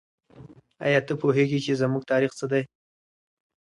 آیا ته پوهېږې چې زموږ تاریخ څه دی؟